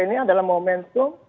ini adalah momentum